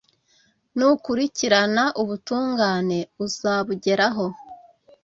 Nukurikirana ubutungane uzabugeraho,